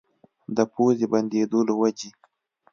د پوزې بندېدو له وجې